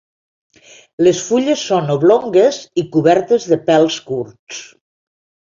Les fulles són oblongues i cobertes de pèls curts.